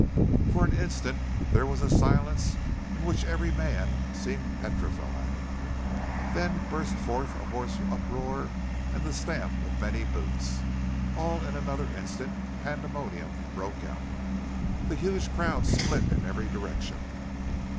For an instant there was a silence in which every man seemed petrified. Then burst forth a hoarse uproar and the stamp of many boots. All in another instant pandemonium broke out. The huge crowd split in every direction.